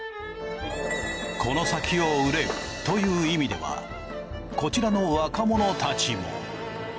この先を憂うという意味ではこちらの若者たちも。